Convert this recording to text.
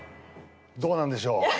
どうなんでしょう。